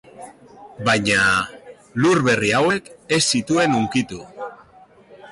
Baina, lur berri hauek ez zituen hunkitu.